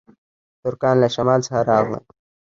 ترکان له شمال څخه راغلل